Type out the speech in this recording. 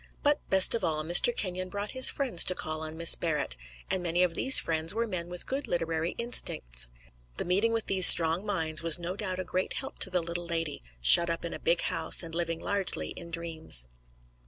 But best of all, Mr. Kenyon brought his friends to call on Miss Barrett; and many of these friends were men with good literary instincts. The meeting with these strong minds was no doubt a great help to the little lady, shut up in a big house and living largely in dreams.